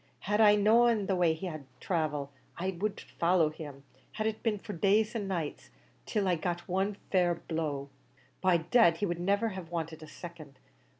Had I known what way he war to travel, I'd followed him, had it been for days an' nights, till I had got one fair blow. By dad, he would niver have wanted a second.